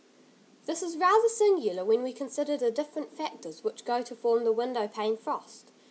This is rather singular, when we consider the different factors which go to form the window pane frost.